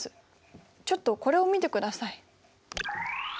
ちょっとこれを見てください。